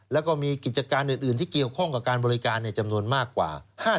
แล้วก็มีกิจการอื่นที่เกี่ยวข้องกับการบริการจำนวนมากกว่า